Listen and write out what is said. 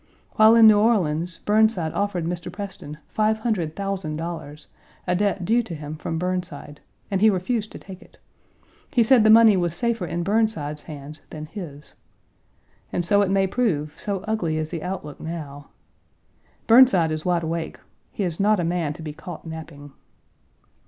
While in New Orleans Burnside offered Mr. Preston five hundred thousand dollars, a debt due to him from Burnside, and he refused to take it. He said the money was safer in Burnside's hands than his. And so it may prove, so ugly is the outlook now. Burnside is wide awake; he is not a man to be caught napping.